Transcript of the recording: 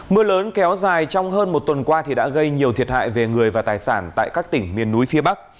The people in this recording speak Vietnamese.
mưa lớn kéo dài trong hơn một tuần qua thì đã gây nhiều thiệt hại về người và tài sản tại các tỉnh miền núi phía bắc